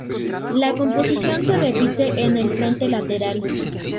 La composición se repite en el frente lateral.